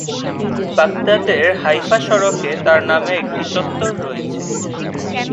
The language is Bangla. বাগদাদের হাইফা সড়কে তার নামে একটি চত্বর রয়েছে।